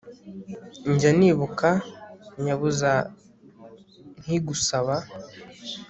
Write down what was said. njya nibuka nyabuza nkigusaba